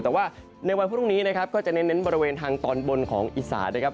แต่ว่าในวันพรุ่งนี้นะครับก็จะเน้นบริเวณทางตอนบนของอีสานนะครับ